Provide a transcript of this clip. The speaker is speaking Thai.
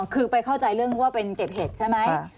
คือไปเข้าใจเรื่องว่าเป็นเก็บเห็ดใช่ไหม